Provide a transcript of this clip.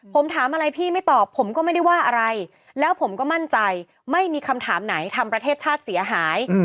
ผมถามอะไรพี่ไม่ตอบผมก็ไม่ได้ว่าอะไรแล้วผมก็มั่นใจไม่มีคำถามไหนทำประเทศชาติเสียหาย